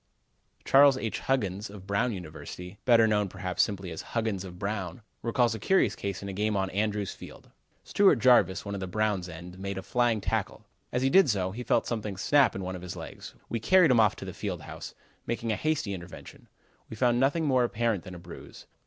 Charles H. Huggins, of Brown University, better known perhaps, simply as "Huggins of Brown," recalls a curious case in a game on Andrews Field: "Stewart Jarvis, one of the Brown ends, made a flying tackle. As he did so, he felt something snap in one of his legs. We carried him off to the field house, making a hasty investigation. We found nothing more apparent than a bruise.